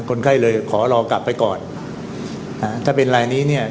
คนไข้เลยขอรอกลับไปก่อนอ่าถ้าเป็นรายนี้เนี่ย